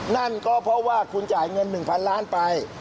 นั่นก็เพราะว่าคุณจ่ายเงิน๑๐๐๐ล้านไป